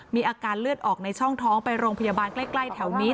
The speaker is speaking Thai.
มีอาการเลือดออกในช่องท้องไปโรงพยาบาลใกล้แถวนี้